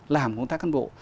làm công tác căn bộ